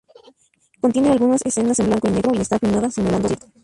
Contiene algunas escenas en blanco y negro y está filmada simulando un concierto.